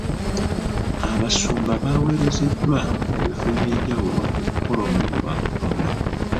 Abasumba baaweerezeddwa mu bifo eby'enjawulo okukola omulimu gwa Katonda.